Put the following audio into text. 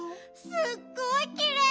すっごいきれい！